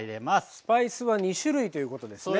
スパイスは２種類ということですね。